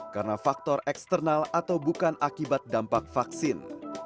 karena faktor eksternal atau bukan akibat dampak vaksin